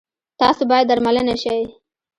تاسو باید درملنه شی